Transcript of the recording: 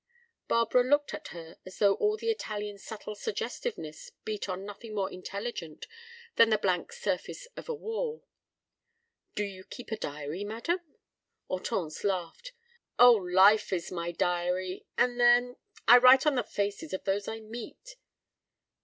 Barbara looked at her as though all the Italian's subtle suggestiveness beat on nothing more intelligent than the blank surface of a wall. "Do you keep a diary, madam?" Hortense laughed. "Oh, life is my diary, and then—I write on the faces of those I meet."